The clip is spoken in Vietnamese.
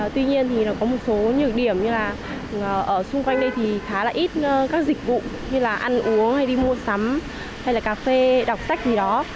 tuy nhiên thì nó có một số nhược điểm như là ở xung quanh đây thì khá là ít các dịch vụ như là ăn uống hay đi mua sắm hay là cà phê đọc sách gì đó